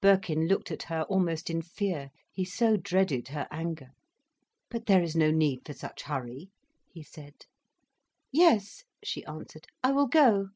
Birkin looked at her almost in fear—he so dreaded her anger. "But there is no need for such hurry," he said. "Yes," she answered. "I will go."